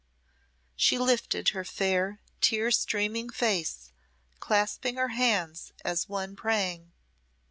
She lifted her fair, tear streaming face, clasping her hands as one praying.